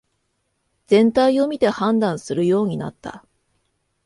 全体を見て判断するようになった